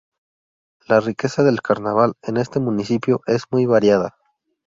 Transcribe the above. La riqueza del carnaval en este municipio es muy variada.